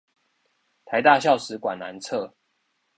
臺大校史館南側